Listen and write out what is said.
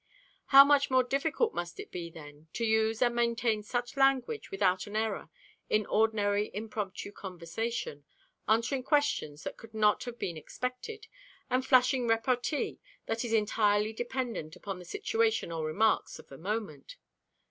How much more difficult must it be then to use and maintain such language without an error in ordinary impromptu conversation, answering questions that could not have been expected, and flashing repartee that is entirely dependent upon the situation or remarks of the moment.